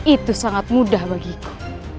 itu sangat mudah bagiku